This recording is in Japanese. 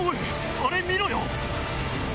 あれ見ろよ。